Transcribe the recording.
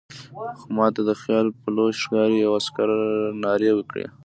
خو ما ته خیال پلو ښکاري، یوه عسکر نارې کړې.